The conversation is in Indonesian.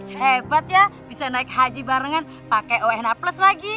hebat ya bisa naik haji barengan pakai onh plus lagi